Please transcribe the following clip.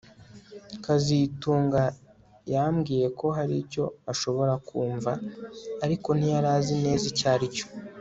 kazitunga yambwiye ko hari icyo ashobora kumva ariko ntiyari azi neza icyo aricyo